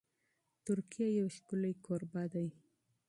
ترکیه یو ښکلی کوربه دی.